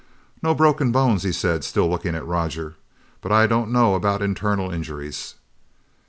"No broken bones," he said, still looking at Roger, "but I don't know about internal injuries."